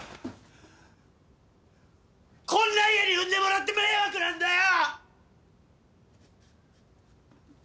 こんな家に生んでもらって迷惑なんだよ！！